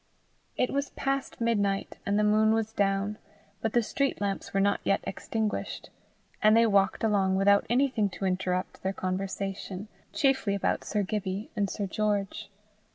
It was past midnight, and the moon was down, but the street lamps were not yet extinguished, and they walked along without anything to interrupt their conversation chiefly about Sir Gibbie and Sir George.